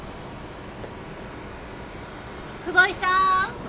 久保井さん！